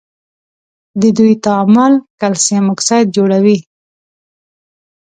د دوی تعامل کلسیم اکساید جوړوي.